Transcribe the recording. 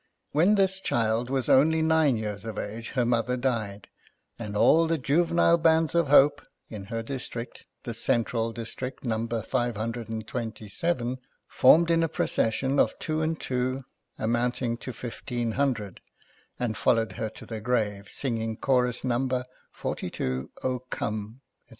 When this child was only nine years of age her mother died, and all the Juvenile Bands of Hope in her district — the Central dis trict, number five hundred and twenty seven — formed in a procession of two and two, amounting to fifteen hundred, and followed her to the grave, singing chorus Number forty two, "0 come," &c.